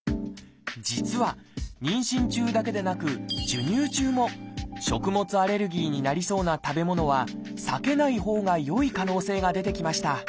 実は妊娠中だけでなく授乳中も食物アレルギーになりそうな食べ物は避けないほうがよい可能性が出てきました。